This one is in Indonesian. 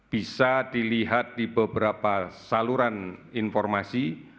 bisa dilihat di beberapa saluran informasi